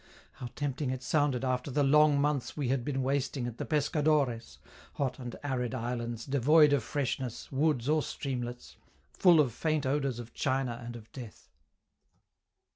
How tempting it sounded after the long months we had been wasting at the Pescadores (hot and arid islands, devoid of freshness, woods, or streamlets, full of faint odors of China and of death).